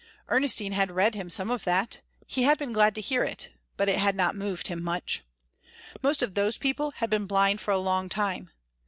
Ernestine had read him some of that; he had been glad to hear it, but it had not moved him much. Most of those people had been blind for a long time.